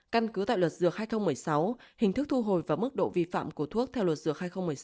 căn cứ tại luật dược hai nghìn một mươi sáu hình thức thu hồi và mức độ vi phạm của thuốc theo luật dược hai nghìn một mươi sáu